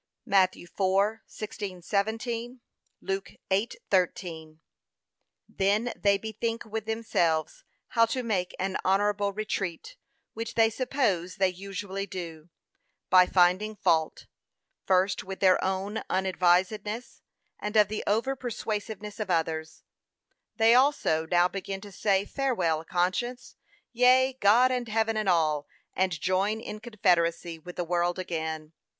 (Matt. 4:16, 17; Luke 8:13) Then they bethink with themselves, how to make an honourable retreat, which they suppose they usually do, by finding fault, first with their own unadvisedness, and of the over persuasiveness of others; they also now begin to say farewell conscience, yea, God and heaven and all, and join in confederacy with the world again.